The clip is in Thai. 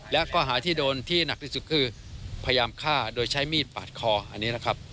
และก็หาที่โดนที่หนักที่สุดคือพยายามฆ่าโดยใช้มีดปาดคอ